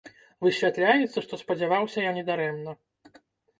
Высвятляецца, што спадзяваўся я не дарэмна.